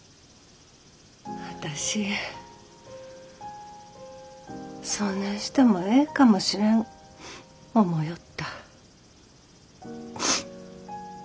私そねんしてもええかもしれん思よった。